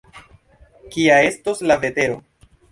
Kia estos la vetero?